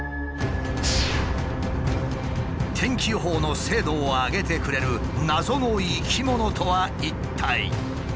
天気予報の精度を上げてくれる謎の生き物とは一体。